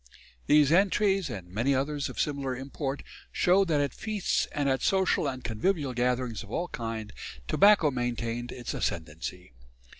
These entries, and many others of similar import, show that at feasts and at social and convivial gatherings of all kinds, tobacco maintained its ascendancy.